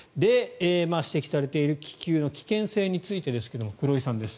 指摘されている気球の危険性についてですが黒井さんです。